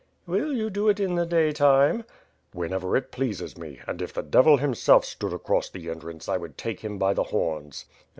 "Will you do it in the daytime?" "Whenever it pleases me; and if the Devil himself stood across the entrance, I would take him by the horns."